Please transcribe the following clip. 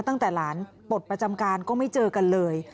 ตั้งแต่หลานปลดประจำการก็ไม่เจอกันเลย